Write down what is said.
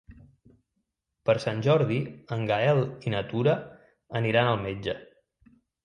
Per Sant Jordi en Gaël i na Tura aniran al metge.